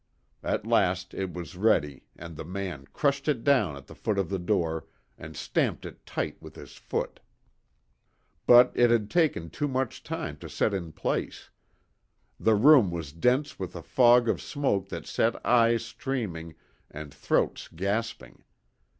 At last it was ready and the man crushed it down at the foot of the door, and stamped it tight with his foot. But it had taken too much time to set in place. The room was dense with a fog of smoke that set eyes streaming and throats gasping.